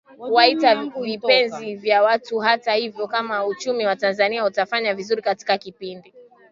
kuwaita vipenzi vya watuHata hivyo kama uchumi wa Tanzania utafanya vizuri katika kipindi